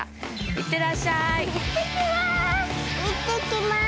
いってきます。